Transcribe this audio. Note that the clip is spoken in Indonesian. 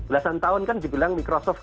belasan tahun kan juga bilang microsoft